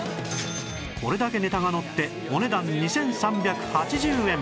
これだけネタがのってお値段２３８０円